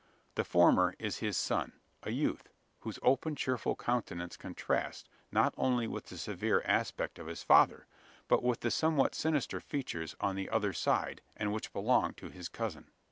The former is his son a youth, whose open cheerful countenance contrasts, not only with the severe aspect of his father, but with the somewhat sinister features on the other side, and which belong to his cousin.